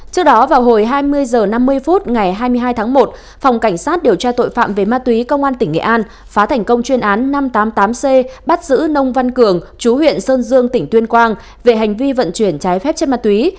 trước đó vào ngày hai mươi bốn tháng một phòng cảnh sát điều tra tội phạm về ma túy công an tỉnh nghệ an phá thành công chuyên án năm trăm tám mươi tám c bắt giữ nông văn cường chú huyện sơn dương tỉnh tuyên quang về hành vi vận chuyển trái phép trên ma túy